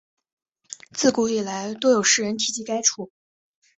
自古以来多有诗人提及该处。